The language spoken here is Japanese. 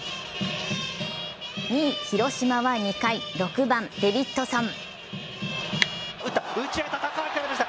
２位・広島は２回６番・デビッドソン。